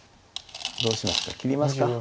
どうしますか切りますか？